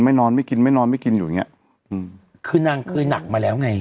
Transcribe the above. นอนไม่กินไม่นอนไม่กินอยู่อย่างเงี้ยอืมคือนางเคยหนักมาแล้วไง